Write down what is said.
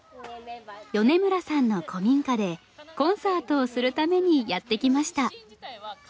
米村さんの古民家でコンサートをするためにやってきました。